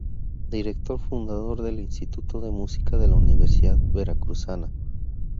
Director fundador del Instituto de música de la Universidad Veracruzana.